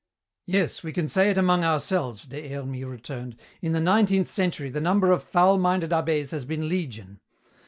"Yes, we can say it among ourselves," Des Hermies returned, "in the nineteenth century the number of foul minded abbés has been legion.